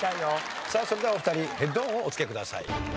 さあそれではお二人ヘッドホンをおつけください。